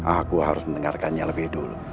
aku harus mendengarkannya lebih dulu